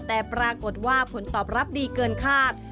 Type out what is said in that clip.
แต่ปรากฏว่าผลตอบรับดีเกินคาด